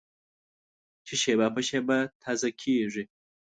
چې شېبه په شېبه تازه کېږي.